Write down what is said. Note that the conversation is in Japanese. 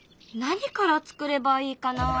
何からつくればいいかな？